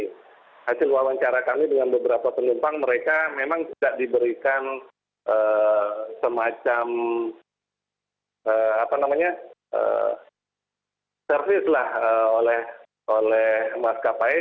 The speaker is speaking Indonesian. jadi hasil wawancara kami dengan beberapa penumpang mereka memang tidak diberikan semacam servis oleh maskapai